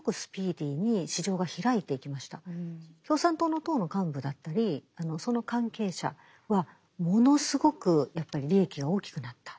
なのでこれはものすごく共産党の党の幹部だったりその関係者はものすごくやっぱり利益が大きくなった。